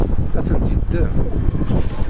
Ad tent-yeddem?